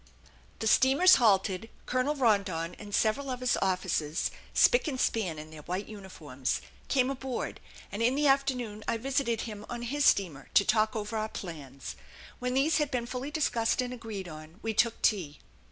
The steamers halted; Colonel Rondon and several of his officers, spick and span in their white uniforms, came aboard; and in the afternoon I visited him on his steamer to talk over our plans. When these had been fully discussed and agreed on we took tea.